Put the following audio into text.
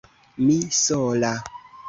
Mi sola!